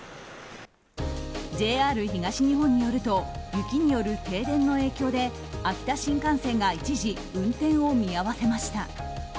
ＪＲ東日本によると雪による停電の影響で秋田新幹線が一時、運転を見合わせました。